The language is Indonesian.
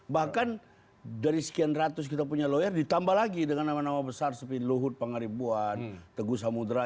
bahkan dari sekian ratus kita punya lawyer ditambah lagi dengan nama nama besar seperti luhut pangaribuan teguh samudera